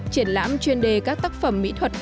triển lãm chuyên đề các tác phẩm mỹ thuật